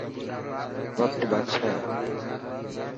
وقت بادشاهه هي.